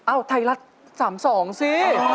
อ้าวไทรัศน์๓๒สิ